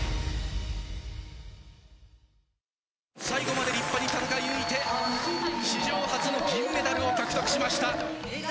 最後まで立派に戦い抜いて史上初の銀メダルを獲得しました！